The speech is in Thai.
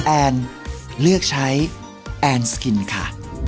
แอนเลือกใช้แอนสกินค่ะ